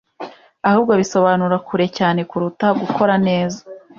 ahubwo bisobanura kure cyane kuruta 'gukora neza'